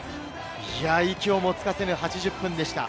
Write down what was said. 息をもつかせぬ８０分でした。